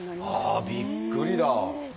ああびっくりだ！